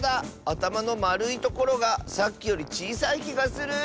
あたまのまるいところがさっきよりちいさいきがする。